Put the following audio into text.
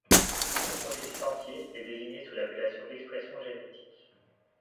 Ce processus entier est désigné sous l'appellation d'expression génétique.